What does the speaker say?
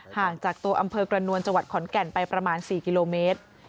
ห่างจากตัวอำเภอกระนวลจังหวัดขอนแก่นไปประมาณ๔กิโลเมตร